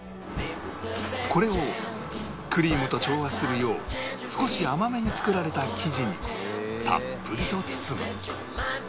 これをクリームと調和するよう少し甘めに作られた生地にたっぷりと包む